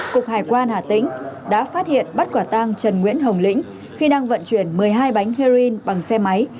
cục hải quan hà tĩnh đã phát hiện bắt quả tang trần nguyễn hồng lĩnh khi đang vận chuyển một mươi hai bánh heroin bằng xe máy